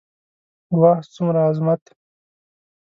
واه څومره عظمت.